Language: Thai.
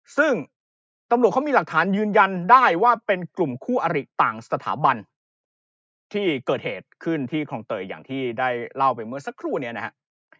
ซึ่งตำรวจเขามีหลักฐานยืนยันได้ว่าเป็นกลุ่มคู่อริต่างสถาบันนะครับที่เกิดเหตุขึ้นที่คลองเตยอย่างที่ได้เล่าไปเมื่อสักครู่นี้นะครับ